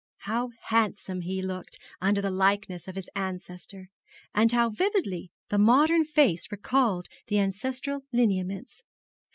How handsome he looked under the likeness of his ancestor! and how vividly the modern face recalled the ancestral lineaments!